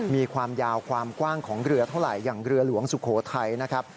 มีความยาวความกว้างของเรือเท่าไหร่อย่างเรือหลวงสุโขทัยนะครับ